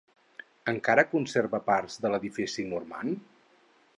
Encara conserva parts de l'edifici normand?